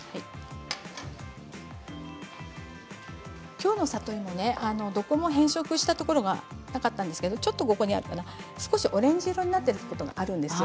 きょうの里芋ねどこも変色したところがなかったんですけれどちょっとここにあるなちょっとオレンジ色になっているところがあるんですよ。